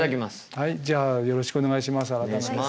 はいじゃあよろしくお願いします